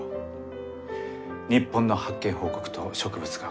日本の発見報告と植物画。